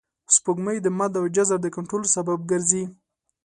سپوږمۍ د مد او جزر د کنټرول سبب ګرځي